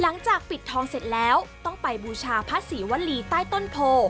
หลังจากปิดทองเสร็จแล้วต้องไปบูชาพระศรีวรีใต้ต้นโพ